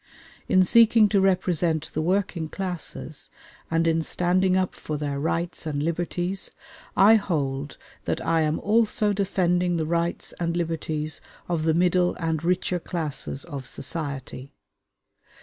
In seeking to represent the working classes, and in standing up for their rights and liberties, I hold that I am also defending the rights and liberties of the middle and richer classes of society.